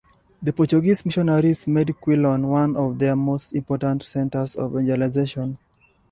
The Portuguese missionaries made Quilon one of their most important centers of evangelization.